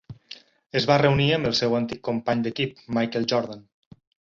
Es va reunir amb el seu antic company d'equip, Michael Jordan.